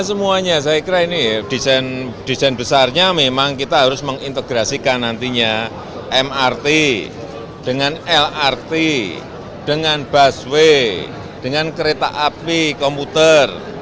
semuanya saya kira ini desain besarnya memang kita harus mengintegrasikan nantinya mrt dengan lrt dengan busway dengan kereta api komputer